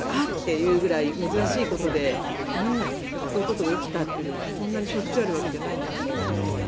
っていうぐらい珍しいことでこういうことが起きたというのはそんなしょっちゅうあるわけではないんだなと思いました。